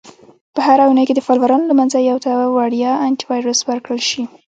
- په هره اونۍ کې د فالوورانو له منځه یو ته وړیا Antivirus ورکړل شي.